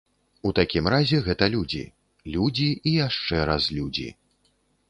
У такім разе гэта людзі, людзі і яшчэ раз людзі.